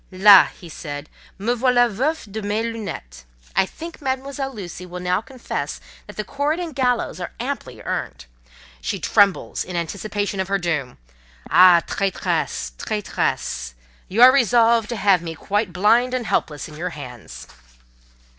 "Là!" said he: "me voilà veuf de mes lunettes! I think Mademoiselle Lucy will now confess that the cord and gallows are amply earned; she trembles in anticipation of her doom. Ah, traitress! traitress! You are resolved to have me quite blind and helpless in your hands!"